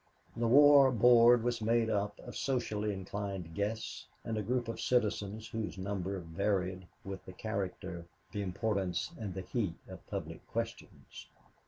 The War Board was made up of socially inclined guests and a group of citizens whose number varied with the character, the importance and the heat of public questions.